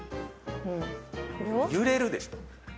「揺れるでしょ？」